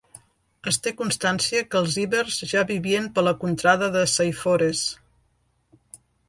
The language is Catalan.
Es té constància que els ibers ja vivien per la contrada de Saifores.